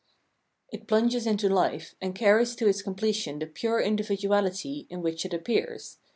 * It plunges into life, and carries to its completion the pure individuality in which it appears.